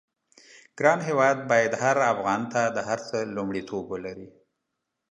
ګران هېواد بايد هر افغان ته د هر څه لومړيتوب ولري.